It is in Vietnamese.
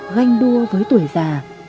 ganh đua với tuổi già